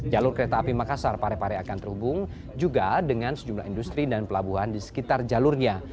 jalur kereta api makassar parepare akan terhubung juga dengan sejumlah industri dan pelabuhan di sekitar jalurnya